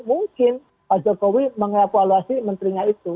mungkin pak jokowi mengevaluasi menterinya itu